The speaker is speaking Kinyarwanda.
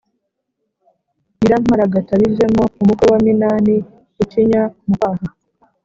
Nyiramparagatabivemo umukwe wa Minani-Ikinya mu kwaha.